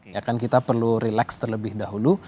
ya kan kita perlu relax terlebih dahulu